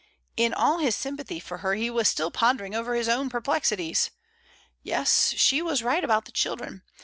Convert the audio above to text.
In all his sympathy for her he was still pondering over his own per plexities. Yes, she was right about the children.